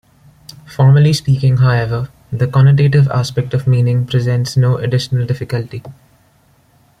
Formally speaking, however, the connotative aspect of meaning presents no additional difficulty.